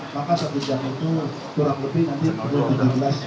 maka satu jam itu kurang lebih nanti perlu dijelas